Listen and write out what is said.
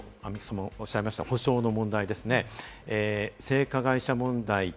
アンミカさんもおっしゃいました、補償の問題ですね。